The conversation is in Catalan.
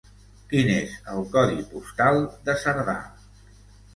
Quin és el codi postal de Cerdà?